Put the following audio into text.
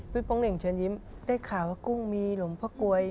โป๊งเหน่งเชิญยิ้มได้ข่าวว่ากุ้งมีหลวงพ่อกลวย